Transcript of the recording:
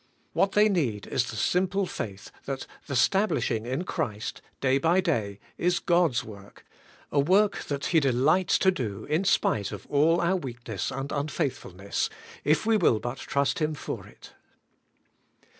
What they need is the simple faith that the stablishing in Christ, day by day, is God's work, — a work that He delights to do, in spite of all our weakness and unfaithfulness, if we will but trust Him for it.